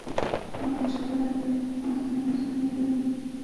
মুখ নিচু করেই দুই দিকে মাথা নেড়ে বুঝিয়ে দিল তার চুড়ি লাগবে।